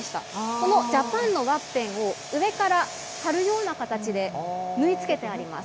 このＪａｐａｎのワッペンを、上から貼るような形で縫いつけてあります。